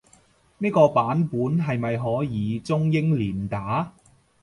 呢個版本係咪可以中英連打？